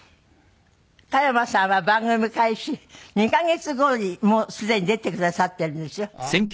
加山さんは番組開始２カ月後にもうすでに出てくださっているんですよ。